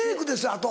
あと。